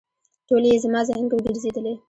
ټولې یې زما ذهن کې وګرځېدلې.